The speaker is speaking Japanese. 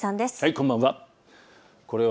こんばんは。